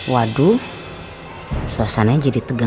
waduh suasananya jadi tegas